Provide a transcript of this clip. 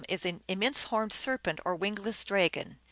is an immense horned serpent or wingless dragon.